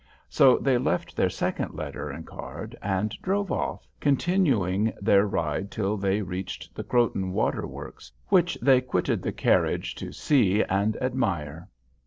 So they left their second letter and card and drove off, continuing their ride till they reached the Croton water works, which they quitted the carriage to see and admire.